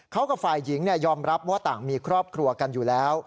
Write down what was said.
เขากับฝ่ายหญิงยอมรับว่าต่างมีครอบครัวกันอยู่แล้ว